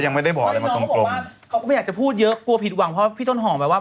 แน็ตโอโหมันก็ไม่ใช่กินของที่ดี